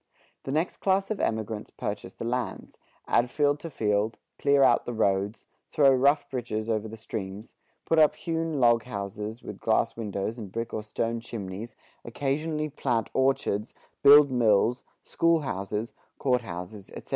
The next class of emigrants purchase the lands, add field to field, clear out the roads, throw rough bridges over the streams, put up hewn log houses with glass windows and brick or stone chimneys, occasionally plant orchards, build mills, school houses, court houses, etc.